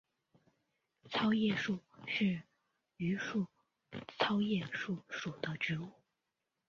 糙叶树是榆科糙叶树属的植物。